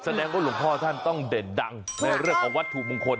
แสดงว่าต้องเหลือวัตถุมงคลนะ